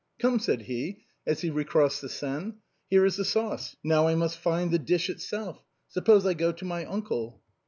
Come," said he, as he recrossed the Seine, " here is the sauce, now I must find the dish itself. Suppose I go to my uncle."